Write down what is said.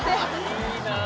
いいなあ。